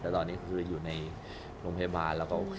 แต่ตอนนี้คืออยู่ในโรงพยาบาลแล้วก็โอเค